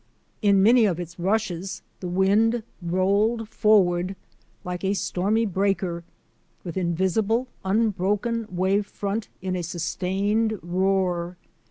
In many of its rushes the wind rolled forward like a stormy breaker, with invisible, unbroken wave front in a sustained roar.